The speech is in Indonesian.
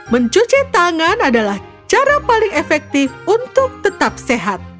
mencuci tangan adalah cara paling efektif untuk tetap sehat